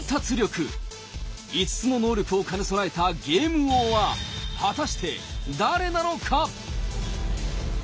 ５つの能力を兼ね備えたゲーム王は果たして誰なのか！